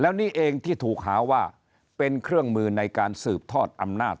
แล้วนี่เองที่ถูกหาว่าเป็นเครื่องมือในการสืบทอดอำนาจ